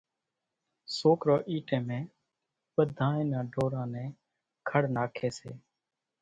سوڪرو اِي ٽيمين ٻڌانئين نان ڍوران نين کڙ ناکي سي،